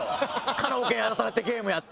カラオケやらされてゲームやって。